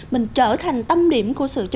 mình trở thành tâm điểm